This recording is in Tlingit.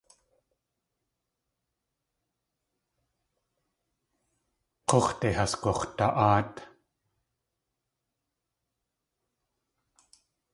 K̲úx̲de has gux̲da.áat.